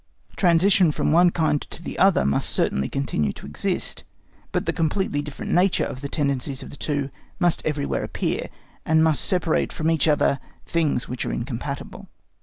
Transition from one kind to the other must certainly continue to exist, but the completely different nature of the tendencies of the two must everywhere appear, and must separate from each other things which are incompatible.